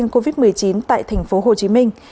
covid một mươi chín tại tp hcm